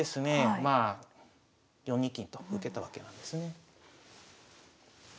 まあ４二金と受けたわけなんですね。